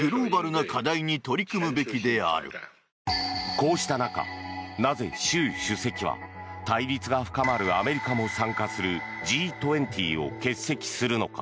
こうした中、なぜ習主席は対立が深まるアメリカも参加するＧ２０を欠席するのか。